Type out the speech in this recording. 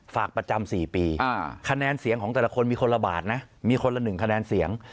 ฝากประจำ๔ปีคะแนนเสียงของแต่ละคนมีคนละบาทนะมีคนละ๑คะแนนเสียง